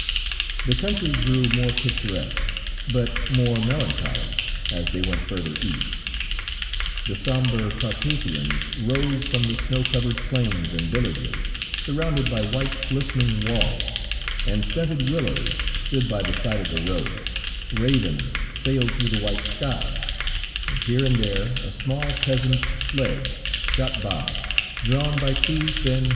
The country grew more picturesque, but more melancholy, as they went further East; the somber Carpathians rose from the snow covered plains and villages, surrounded by white glistening walls, and stunted willows stood by the side of the roads, ravens sailed through the white sky, and here and there a small peasant's sledge shot by, drawn by two thin horses.